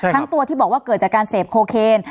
ทั้งตัวที่บอกว่าเกิดจากการเสพโคเคน